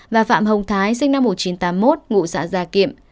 và phạm hồng thái sinh năm một nghìn chín trăm tám mươi một ngụ xã gia kiệm